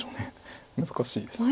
難しいです。